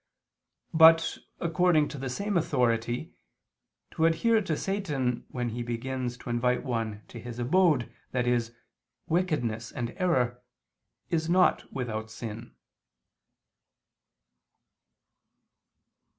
But, according to the same authority, to adhere to Satan when he begins to invite one to his abode, i.e. wickedness and error, is not without sin.